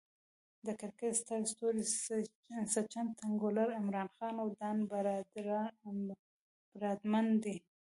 د کرکټ ستر ستوري سچن ټندولکر، عمران خان، او ډان براډمن دي.